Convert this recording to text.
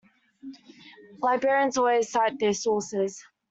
Librarians always cite their sources.